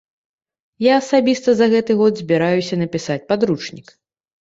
Я асабіста за гэты год збіраюся напісаць падручнік.